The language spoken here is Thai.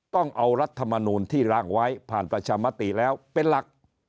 ต้องเอารัฐมนูลที่ร่างไว้ผ่านประชามติแล้วเป็นหลัก